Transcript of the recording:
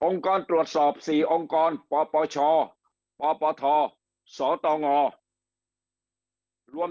องค์กรตรวจสอบสี่องค์กรป่อป่อชป่อป่อทสตงรวม